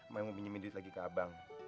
mami mau pinjemin lagi duit ke abang